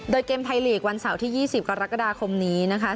โดยเกมไทยลีกวันเสาร์ที่๒๐กรกฎาคมนี้นะคะ